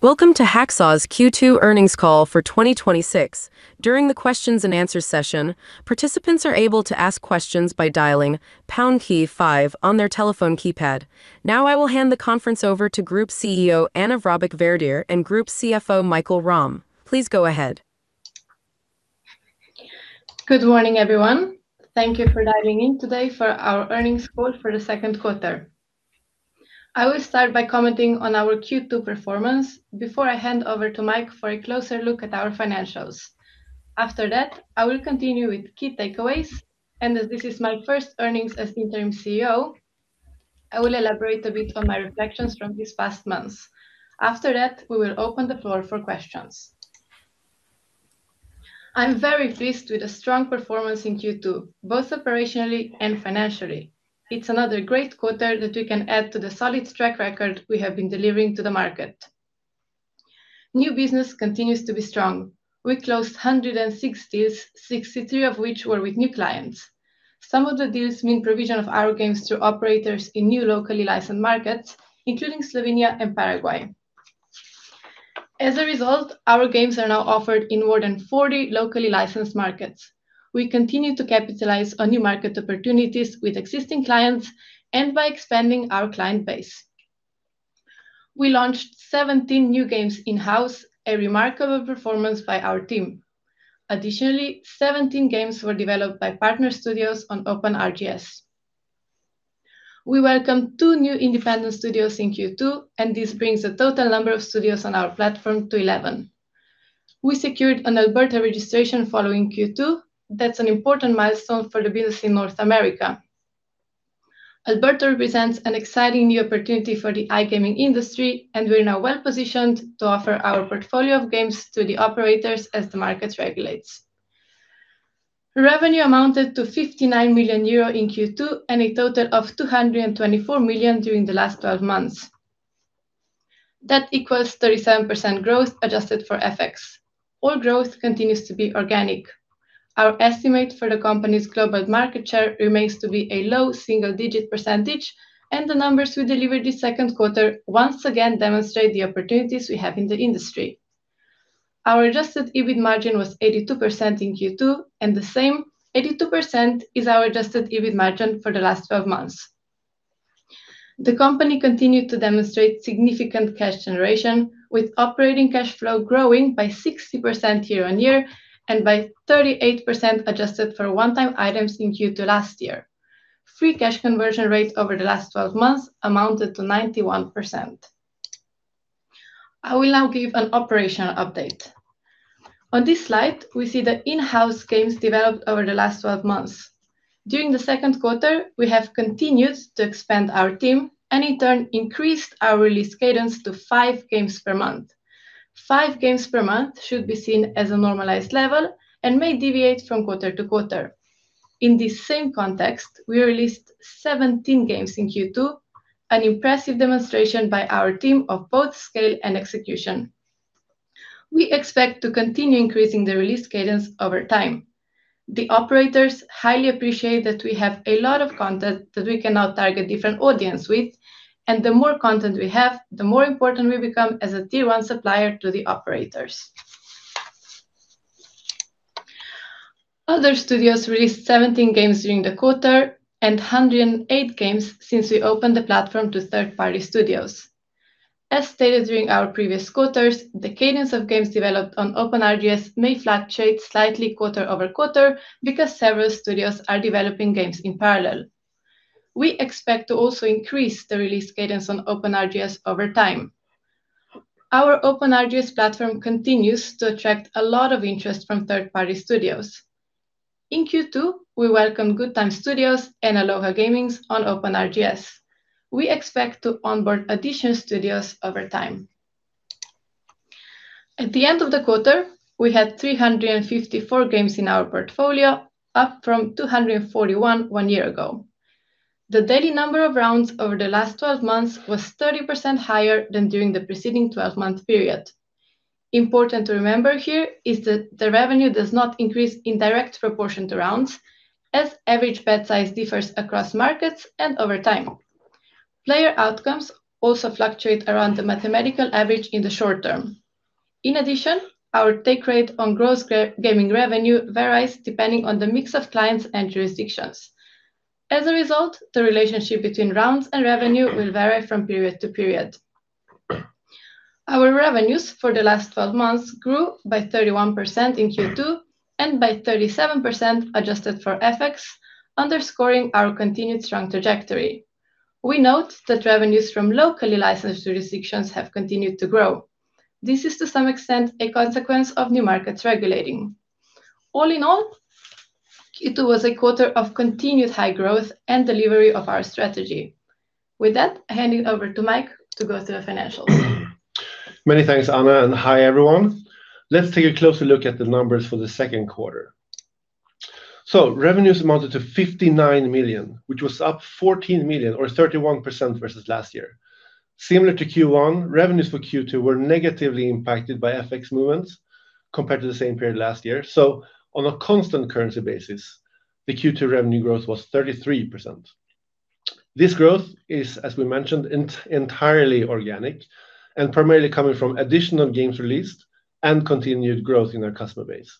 Welcome to Hacksaw's Q2 earnings call for 2026. During the questions-and-answers session, participants are able to ask questions by dialing pound key five on their telephone keypad. Now I will hand the conference over to Group CEO Ana Vrabic Verdir and Group CFO Mikael Rahm. Please go ahead. Good morning, everyone. Thank you for dialing in today for our earnings call for the second quarter. I will start by commenting on our Q2 performance before I hand over to Mike for a closer look at our financials. I will continue with key takeaways. As this is my first earnings as Interim CEO, I will elaborate a bit on my reflections from these past months. We will open the floor for questions. I'm very pleased with the strong performance in Q2, both operationally and financially. It's another great quarter that we can add to the solid track record we have been delivering to the market. New business continues to be strong. We closed 160 deals, 63 of which were with new clients. Some of the deals mean provision of our games to operators in new locally licensed markets, including Slovenia and Paraguay. As a result, our games are now offered in more than 40 locally licensed markets. We continue to capitalize on new market opportunities with existing clients and by expanding our client base. We launched 17 new games in-house, a remarkable performance by our team. Additionally, 17 games were developed by partner studios on OpenRGS. We welcomed two new independent studios in Q2. This brings the total number of studios on our platform to 11. We secured an Alberta registration following Q2. That's an important milestone for the business in North America. Alberta represents an exciting new opportunity for the iGaming industry. We're now well-positioned to offer our portfolio of games to the operators as the market regulates. Revenue amounted to 59 million euro in Q2 and a total of 224 million during the last 12 months. That equals 37% growth adjusted for FX. All growth continues to be organic. Our estimate for the company's global market share remains to be a low single-digit percentage. The numbers we delivered this second quarter once again demonstrate the opportunities we have in the industry. Our adjusted EBIT margin was 82% in Q2. The same, 82%, is our adjusted EBIT margin for the last 12 months. The company continued to demonstrate significant cash generation, with operating cash flow growing by 60% year-on-year and by 38% adjusted for one-time items in Q2 last year. Free cash conversion rate over the last 12 months amounted to 91%. I will now give an operational update. On this slide, we see the in-house games developed over the last 12 months. During the second quarter, we have continued to expand our team and in turn increased our release cadence to five games per month. Five games per month should be seen as a normalized level and may deviate from quarter-to-quarter. In this same context, we released 17 games in Q2, an impressive demonstration by our team of both scale and execution. We expect to continue increasing the release cadence over time. The operators highly appreciate that we have a lot of content that we can now target different audience with, and the more content we have, the more important we become as a tier 1 supplier to the operators. Other studios released 17 games during the quarter and 108 games since we opened the platform to third-party studios. As stated during our previous quarters, the cadence of games developed on OpenRGS may fluctuate slightly quarter-over-quarter because several studios are developing games in parallel. We expect to also increase the release cadence on OpenRGS over time. Our OpenRGS platform continues to attract a lot of interest from third-party studios. In Q2, we welcomed Good Times Studios and Aloha Gaming on OpenRGS. We expect to onboard additional studios over time. At the end of the quarter, we had 354 games in our portfolio, up from 241 one year ago. The daily number of rounds over the last 12 months was 30% higher than during the preceding 12-month period. Important to remember here is that the revenue does not increase in direct proportion to rounds, as average bet size differs across markets and over time. Player outcomes also fluctuate around the mathematical average in the short term. In addition, our take rate on gross gaming revenue varies depending on the mix of clients and jurisdictions. As a result, the relationship between rounds and revenue will vary from period to period. Our revenues for the last 12 months grew by 31% in Q2 and by 37% adjusted for FX, underscoring our continued strong trajectory. We note that revenues from locally licensed jurisdictions have continued to grow. This is to some extent a consequence of new markets regulating. All in all, Q2 was a quarter of continued high growth and delivery of our strategy. With that, I hand it over to Mike to go through the financials. Many thanks, Ana, and hi, everyone. Let's take a closer look at the numbers for the second quarter. Revenues amounted to 59 million, which was up 14 million or 31% versus last year. Similar to Q1, revenues for Q2 were negatively impacted by FX movements compared to the same period last year. On a constant currency basis, the Q2 revenue growth was 33%. This growth is, as we mentioned, entirely organic and primarily coming from additional games released and continued growth in our customer base.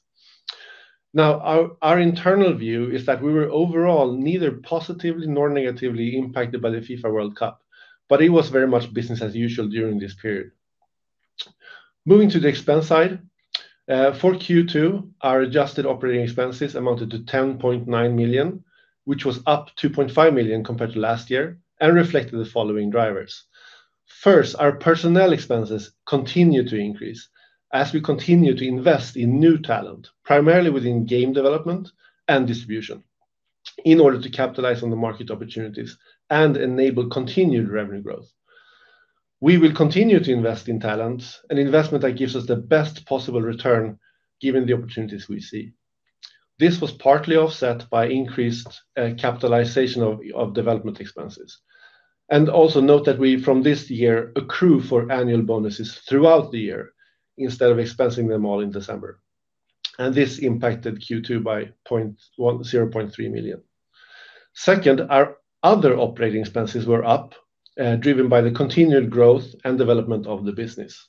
Our internal view is that we were overall neither positively nor negatively impacted by the FIFA World Cup, but it was very much business as usual during this period. Moving to the expense side, for Q2, our adjusted operating expenses amounted to 10.9 million, which was up 2.5 million compared to last year and reflected the following drivers. First, our personnel expenses continued to increase as we continued to invest in new talent, primarily within game development and distribution in order to capitalize on the market opportunities and enable continued revenue growth. We will continue to invest in talent, an investment that gives us the best possible return given the opportunities we see. This was partly offset by increased capitalization of development expenses. Note that we, from this year, accrue for annual bonuses throughout the year instead of expensing them all in December. This impacted Q2 by 0.3 million. Second, our other operating expenses were up, driven by the continued growth and development of the business.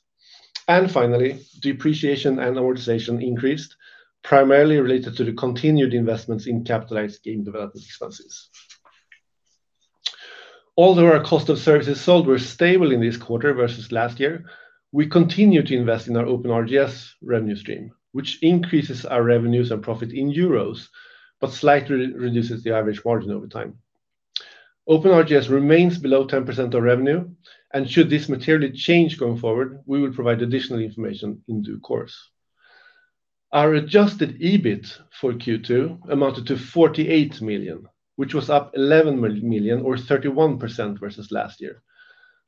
Finally, depreciation and amortization increased, primarily related to the continued investments in capitalized game development expenses. Although our cost of services sold were stable in this quarter versus last year, we continue to invest in our OpenRGS revenue stream, which increases our revenues and profit in euros but slightly reduces the average margin over time. OpenRGS remains below 10% of revenue, and should this materially change going forward, we will provide additional information in due course. Our adjusted EBIT for Q2 amounted to 48 million, which was up 11 million or 31% versus last year.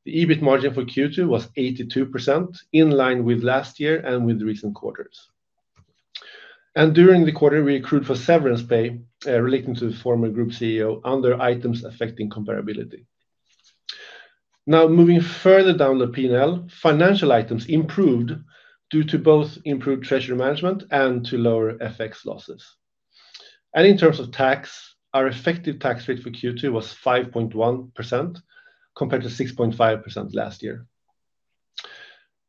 The EBIT margin for Q2 was 82%, in line with last year and with recent quarters. During the quarter, we accrued for severance pay relating to the former group CEO under items affecting comparability. Moving further down the P&L, financial items improved due to both improved treasury management and to lower FX losses. In terms of tax, our effective tax rate for Q2 was 5.1% compared to 6.5% last year.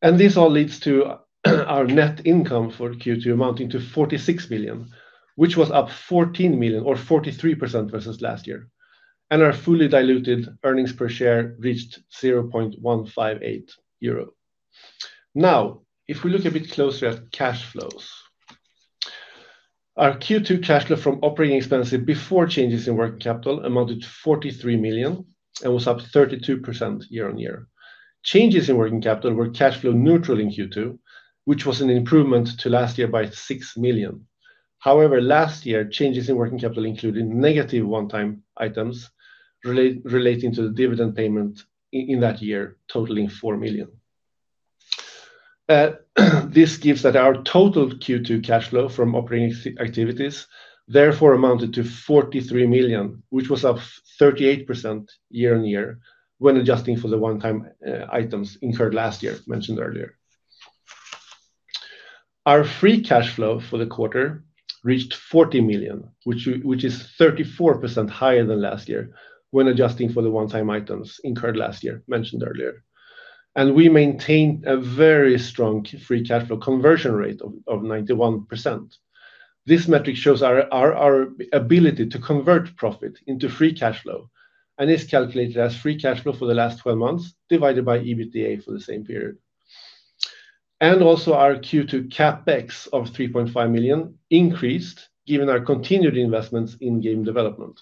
This all leads to our net income for Q2 amounting to 46 million, which was up 14 million or 43% versus last year. Our fully diluted earnings per share reached 0.158 euro. If we look a bit closer at cash flows, our Q2 cash flow from operating expenses before changes in working capital amounted to 43 million and was up 32% year-on-year. Changes in working capital were cash flow neutral in Q2, which was an improvement to last year by 6 million. However, last year, changes in working capital included negative one-time items relating to the dividend payment in that year totaling 4 million. This gives that our total Q2 cash flow from operating activities therefore amounted to 43 million, which was up 38% year-on-year when adjusting for the one-time items incurred last year mentioned earlier. Our free cash flow for the quarter reached 40 million, which is 34% higher than last year when adjusting for the one-time items incurred last year mentioned earlier. We maintained a very strong free cash flow conversion rate of 91%. This metric shows our ability to convert profit into free cash flow and is calculated as free cash flow for the last 12 months divided by EBITDA for the same period. Also our Q2 CapEx of 3.5 million increased given our continued investments in game development.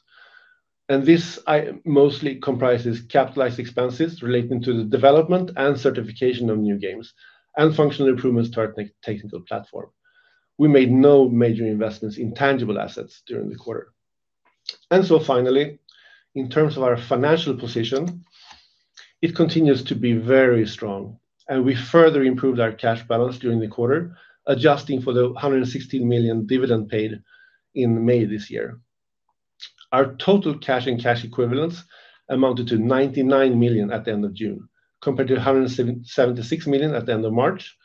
This mostly comprises capitalized expenses relating to the development and certification of new games and functional improvements to our technical platform. We made no major investments in tangible assets during the quarter. Finally, in terms of our financial position, it continues to be very strong, and we further improved our cash balance during the quarter, adjusting for the 116 million dividend paid in May this year. Our total cash and cash equivalents amounted to 99 million at the end of June, compared to 176 million at the end of March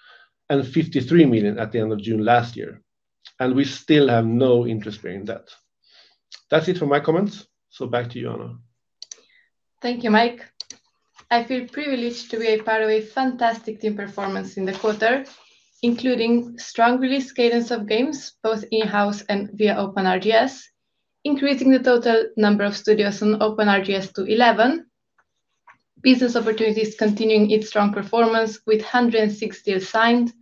and 53 million at the end of June last year. We still have no interest paying debt. That's it for my comments. Back to you, Ana. Thank you, Mike. I feel privileged to be a part of a fantastic team performance in the quarter, including strong release cadence of games, both in-house and via OpenRGS, increasing the total number of studios on OpenRGS to 11, business opportunities continuing its strong performance with 160 assigned,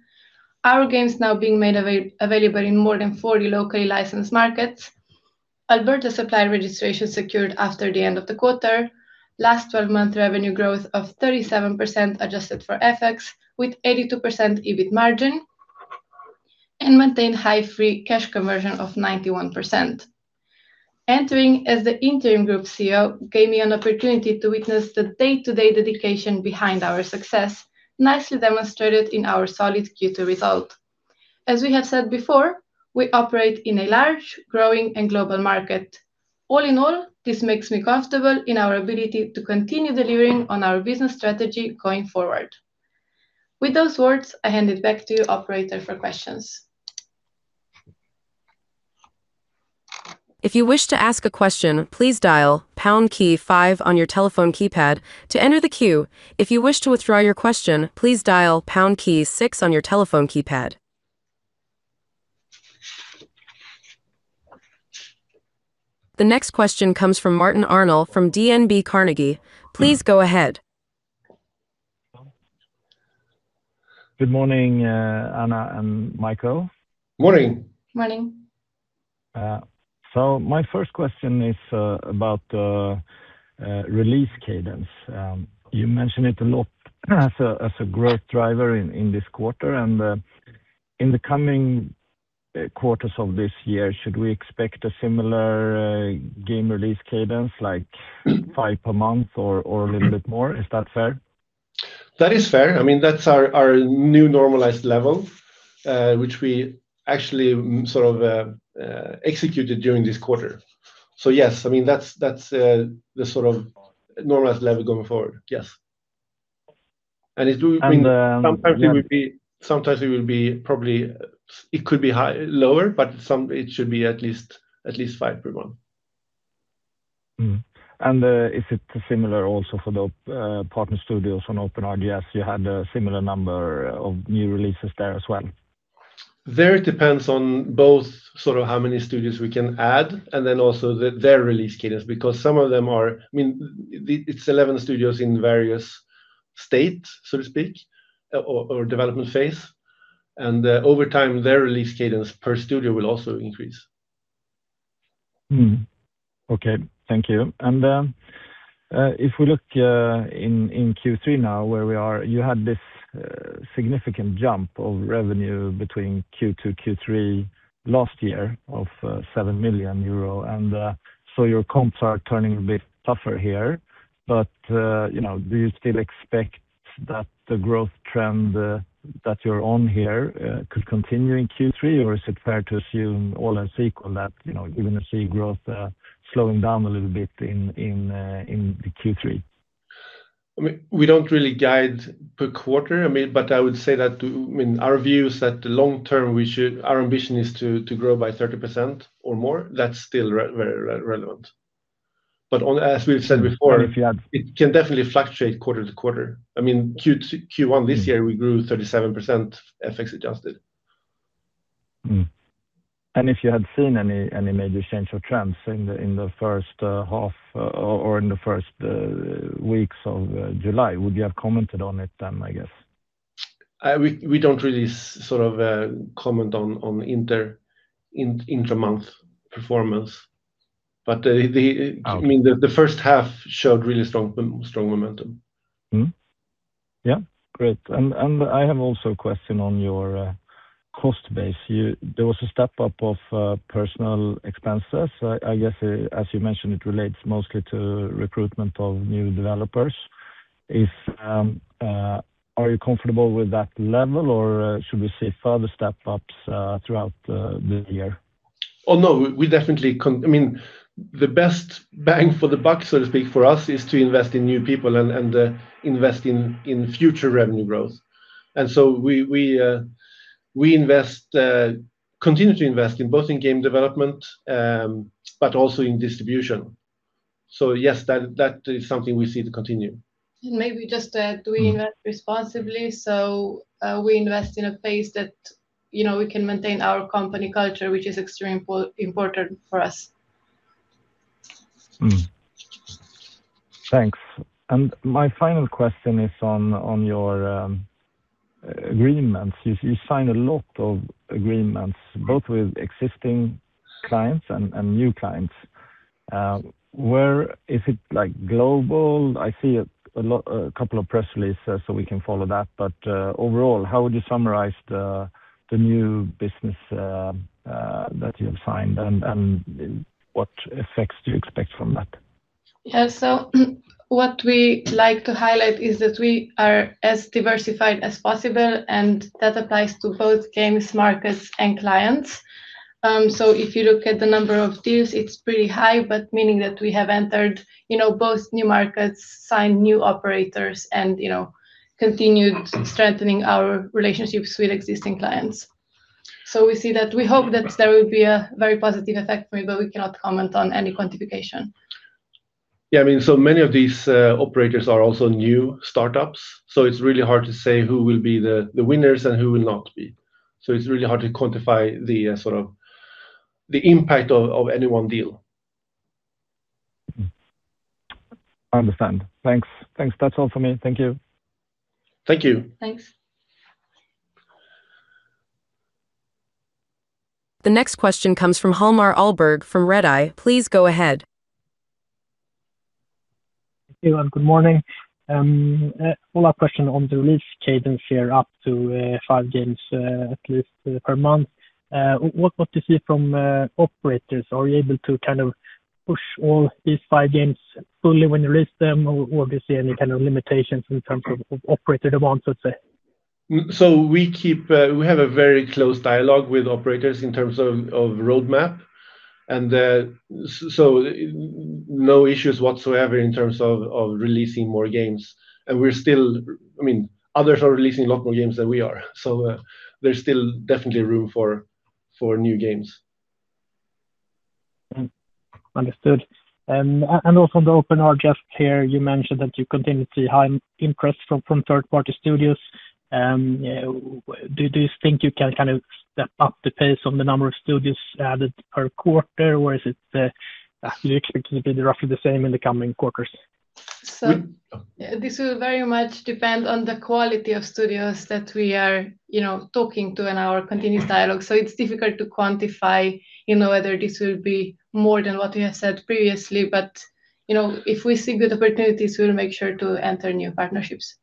our games now being made available in more than 40 locally licensed markets, Alberta supply registration secured after the end of the quarter, last 12-month revenue growth of 37% adjusted for FX with 82% EBIT margin, and maintained high free cash conversion of 91%. Entering as the Interim Group CEO gave me an opportunity to witness the day-to-day dedication behind our success, nicely demonstrated in our solid Q2 result. As we have said before, we operate in a large, growing, and global market. All in all, this makes me comfortable in our ability to continue delivering on our business strategy going forward. With those words, I hand it back to you operator for questions If you wish to ask a question, please dial pound key five on your telephone keypad to enter the queue. If you wish to withdraw your question, please dial pound key six on your telephone keypad. The next question comes from Martin Arnell from DNB Carnegie. Please go ahead. Good morning, Ana and Mikael. Morning. Morning. My first question is about the release cadence. You mentioned it a lot as a growth driver in this quarter and in the coming quarters of this year, should we expect a similar game release cadence, like five a month or a little bit more? Is that fair? That is fair. That's our new normalized level, which we actually sort of executed during this quarter. Yes, that's the sort of normalized level going forward. Yes. Sometimes it could be lower, but it should be at least five per month. Is it similar also for the partner studios on OpenRGS? You had a similar number of new releases there as well. There, it depends on both how many studios we can add and then also their release cadence, because some of them, it's 11 studios in various states, so to speak, or development phase, and over time, their release cadence per studio will also increase. Okay. Thank you. If we look in Q3 now, where we are, you had this significant jump of revenue between Q2, Q3 last year of 7 million euro, your comps are turning a bit tougher here. Do you still expect that the growth trend that you're on here could continue in Q3, or is it fair to assume all else equal that we're going to see growth slowing down a little bit in the Q3? We don't really guide per quarter. I would say that our view is that the long-term our ambition is to grow by 30% or more. That's still very relevant. As we've said before. And if you had- it can definitely fluctuate quarter to quarter. Q1 this year, we grew 37% FX-adjusted. If you had seen any major change of trends in the first half or in the first weeks of July, would you have commented on it then, I guess? We don't really comment on intra-month performance, the first half showed really strong momentum. Yeah. Great. I have also a question on your cost base. There was a step-up of personal expenses. I guess, as you mentioned, it relates mostly to recruitment of new developers. Are you comfortable with that level, should we see further step-ups throughout the year? no. The best bang for the buck, so to speak, for us is to invest in new people and invest in future revenue growth. We continue to invest both in game development but also in distribution. Yes, that is something we see to continue. Maybe just do invest responsibly, so we invest in a pace that we can maintain our company culture, which is extremely important for us. Thanks. My final question is on your agreements. You sign a lot of agreements, both with existing clients and new clients. Is it global? I see a couple of press releases, so we can follow that. Overall, how would you summarize the new business that you have signed, and what effects do you expect from that? What we like to highlight is that we are as diversified as possible, and that applies to both games, markets, and clients. If you look at the number of deals, it's pretty high, but meaning that we have entered both new markets, signed new operators, and continued strengthening our relationships with existing clients. We hope that there will be a very positive effect for you, but we cannot comment on any quantification. Yeah. Many of these operators are also new startups, so it's really hard to say who will be the winners and who will not be. It's really hard to quantify the impact of any one deal. I understand. Thanks. That's all for me. Thank you. Thank you. Thanks. The next question comes from Hjalmar Ahlberg from Redeye. Please go ahead. Hey. Good morning. Follow-up question on the release cadence here, up to five games at least per month. What do you see from operators? Are you able to push all these five games fully when you release them, or do you see any kind of limitations in terms of operator demands, let's say? We have a very close dialogue with operators in terms of roadmap. No issues whatsoever in terms of releasing more games. Others are releasing a lot more games than we are. There's still definitely room for new games. Understood. Also on the OpenRGS here, you mentioned that you continue to see high interest from third-party studios. Do you think you can step up the pace on the number of studios added per quarter or is it you expect it to be roughly the same in the coming quarters? This will very much depend on the quality of studios that we are talking to in our continuous dialogue. It's difficult to quantify whether this will be more than what we have said previously. If we see good opportunities, we'll make sure to enter new partnerships.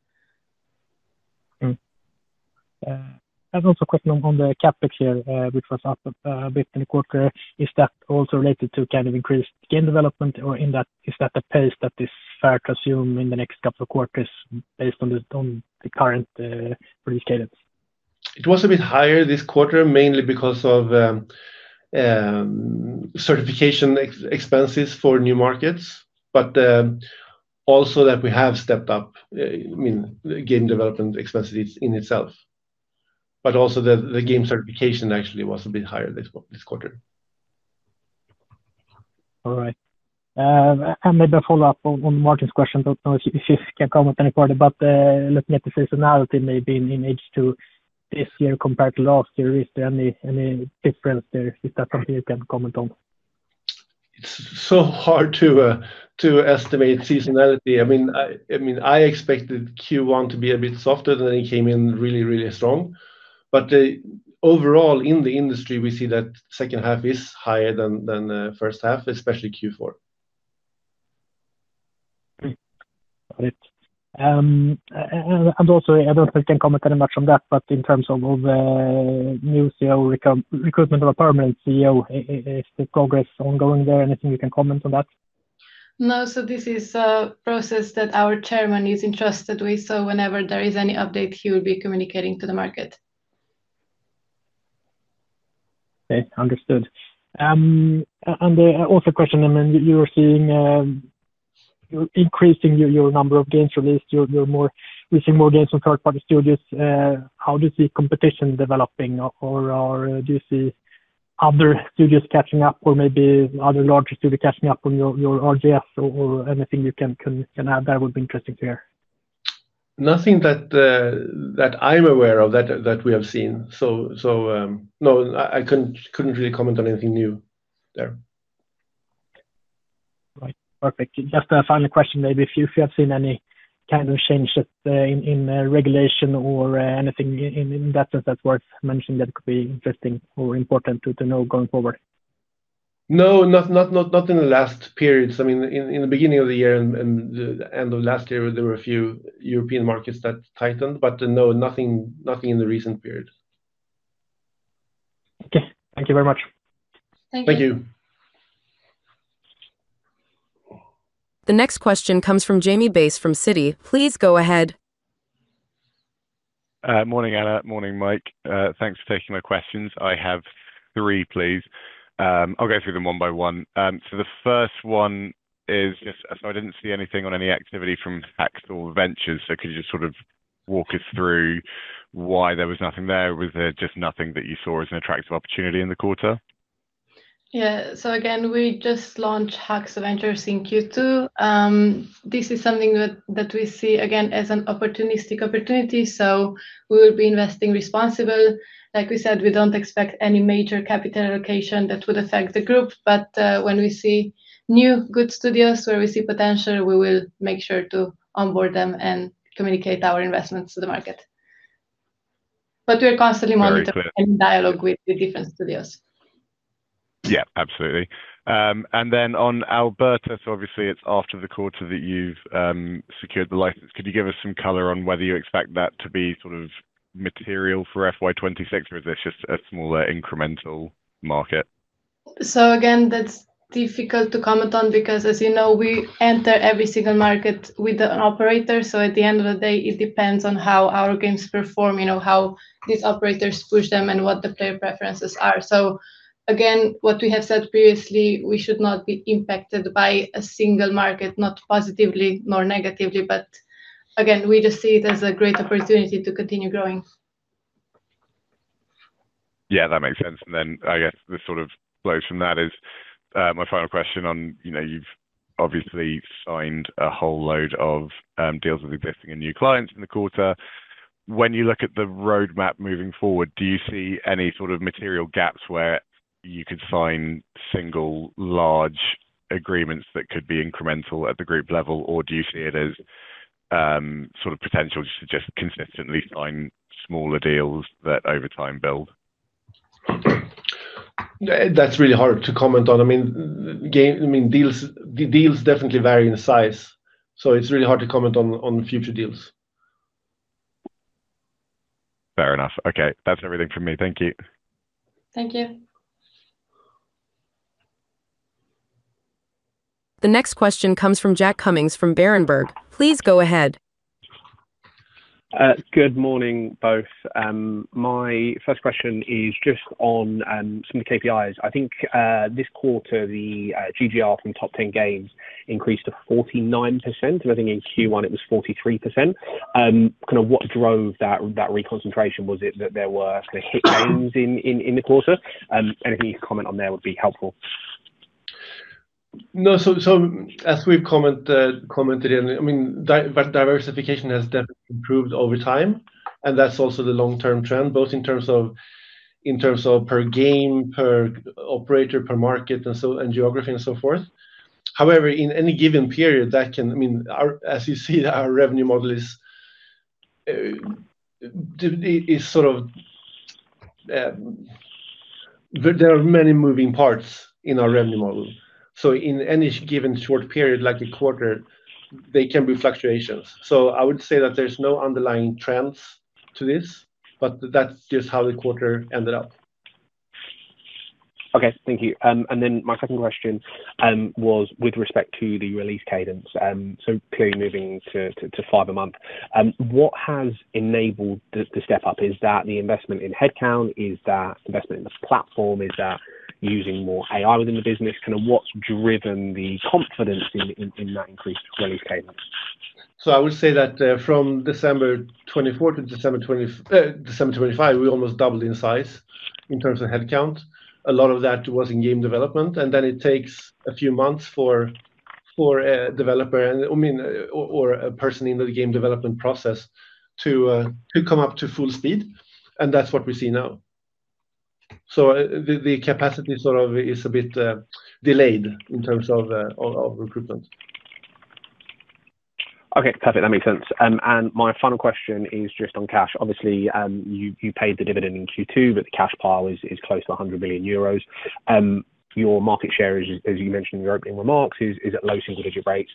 Okay. I have also a question on the CapEx here, which was up a bit in the quarter. Is that also related to increased game development or is that the pace that is fair to assume in the next couple of quarters based on the current release cadence? It was a bit higher this quarter, mainly because of certification expenses for new markets, also that we have stepped up game development expenses in itself. Also the game certification actually was a bit higher this quarter. All right. Maybe a follow-up on Martin's question. Don't know if you can comment any further, but looking at the seasonality, maybe in H2 this year compared to last year, is there any difference there? Is that something you can comment on? It's so hard to estimate seasonality. I expected Q1 to be a bit softer than it came in really strong. Overall in the industry, we see that the second half is higher than the first half, especially Q4. Got it. Also, I don't know if you can comment any much on that, but in terms of new CEO, recruitment of a permanent CEO, is the progress ongoing there? Anything you can comment on that? No, this is a process that our Chairman is entrusted with. Whenever there is any update, he will be communicating to the market. Okay, understood. Also a question, you are seeing increasing your number of games released, you're seeing more games from third-party studios. How do you see competition developing, or do you see other studios catching up or maybe other larger studio catching up on your RGS or anything you can add there would be interesting to hear. Nothing that I'm aware of that we have seen. No, I couldn't really comment on anything new there. Right. Perfect. Just a final question, maybe if you have seen any kind of changes in regulation or anything in that sense that's worth mentioning that could be interesting or important to know going forward? No, not in the last periods. In the beginning of the year and the end of last year, there were a few European markets that tightened, but no, nothing in the recent period. Okay. Thank you very much. Thank you. Thank you. The next question comes from Jamie Bass from Citi. Please go ahead. Morning, Ana. Morning, Mike. Thanks for taking my questions. I have three, please. I'll go through them one by one. The first one is just, I didn't see anything on any activity from Hacksaw Ventures, could you just sort of walk us through why there was nothing there? Was there just nothing that you saw as an attractive opportunity in the quarter? Yeah. Again, we just launched Hacksaw Ventures in Q2. This is something that we see again as an opportunistic opportunity, we will be investing responsible. Like we said, we don't expect any major capital allocation that would affect the group. When we see new good studios where we see potential, we will make sure to onboard them and communicate our investments to the market. We are constantly. Very clear monitoring and dialogue with the different studios. Absolutely. On Alberta, obviously it's after the quarter that you've secured the license. Could you give us some color on whether you expect that to be sort of material for FY 2026 or is this just a smaller incremental market? Again, that's difficult to comment on because as you know, we enter every single market with an operator. At the end of the day, it depends on how our games perform, how these operators push them and what the player preferences are. Again, what we have said previously, we should not be impacted by a single market, not positively nor negatively. Again, we just see it as a great opportunity to continue growing. Yeah, that makes sense. I guess this sort of flows from that is my final question on, you've obviously signed a whole load of deals with existing and new clients in the quarter. When you look at the roadmap moving forward, do you see any sort of material gaps where you could sign single large agreements that could be incremental at the group level? Or do you see it as sort of potential to just consistently sign smaller deals that over time build? That's really hard to comment on. Deals definitely vary in size, so it's really hard to comment on future deals. Fair enough. Okay. That's everything from me. Thank you. Thank you. The next question comes from Jack Cummings from Berenberg. Please go ahead. Good morning, both. My first question is just on some of the KPIs. I think this quarter, the GGR from top 10 games increased to 49%, and I think in Q1 it was 43%. What drove that reconcentration? Was it that there were hit games in the quarter? Anything you could comment on there would be helpful. As we've commented, diversification has definitely improved over time, and that's also the long-term trend, both in terms of per game, per operator, per market, and geography, and so forth. However, in any given period, as you see our revenue model, there are many moving parts in our revenue model. In any given short period, like a quarter, there can be fluctuations. I would say that there's no underlying trends to this, but that's just how the quarter ended up. Okay. Thank you. My second question was with respect to the release cadence. Clearly moving to five a month. What has enabled the step-up? Is that the investment in headcount? Is that investment in the platform? Is that using more AI within the business? What's driven the confidence in that increased release cadence? I would say that from December 2024 to December 2025, we almost doubled in size in terms of headcount. A lot of that was in game development, it takes a few months for a developer or a person in the game development process to come up to full speed, and that's what we see now. The capacity sort of is a bit delayed in terms of recruitment. Okay, perfect. That makes sense. My final question is just on cash. Obviously, you paid the dividend in Q2, but the cash pile is close to 100 million euros. Your market share, as you mentioned in your opening remarks, is at low single-digit rates.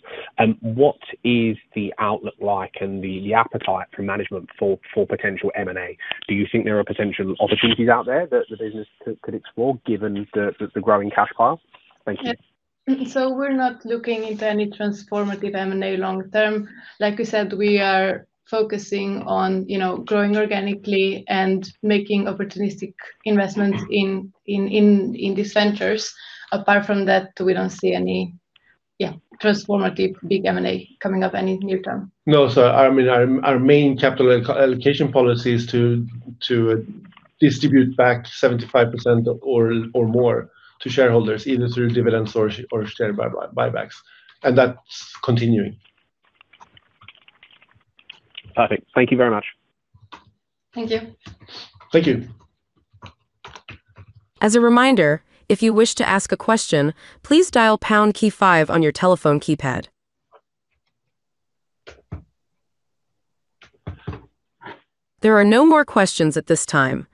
What is the outlook like and the appetite for management for potential M&A? Do you think there are potential opportunities out there that the business could explore given the growing cash pile? Thank you. We're not looking into any transformative M&A long term. Like we said, we are focusing on growing organically and making opportunistic investments in these ventures. Apart from that, we don't see any transformative big M&A coming up any near-term. Our main capital allocation policy is to distribute back 75% or more to shareholders, either through dividends or share buybacks, that's continuing. Perfect. Thank you very much. Thank you. Thank you. As a reminder, if you wish to ask a question, please dial pound-key five on your telephone keypad. There are no more questions at this time,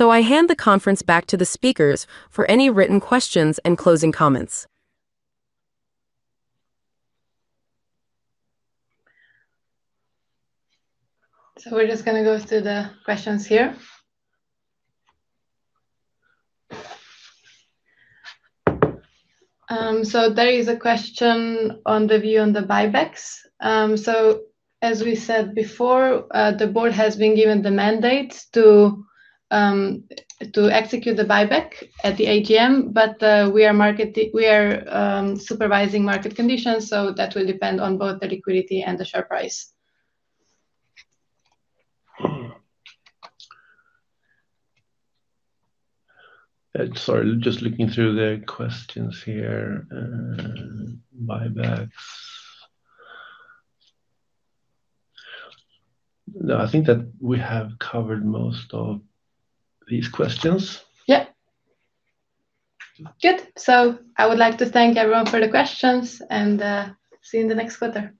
I hand the conference back to the speakers for any written questions and closing comments. We're just going to go through the questions here. There is a question on the view on the buybacks. As we said before, the board has been given the mandate to execute the buyback at the AGM, but we are supervising market conditions so that will depend on both the liquidity and the share price. Sorry, just looking through the questions here. Buybacks. I think that we have covered most of these questions. Yeah. Good. I would like to thank everyone for the questions and see you in the next quarter.